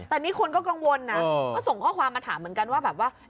แต่นี่คุณก็กังวลนะเขาส่งข้อความมาถามเหมือนกันว่า